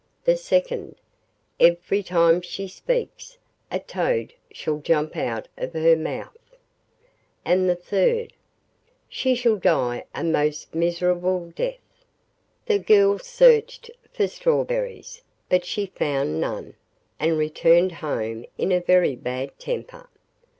The second: 'Every time she speaks a toad shall jump out of her mouth.' And the third: 'She shall die a most miserable death.' The girl searched for strawberries, but she found none, and returned home in a very bad temper.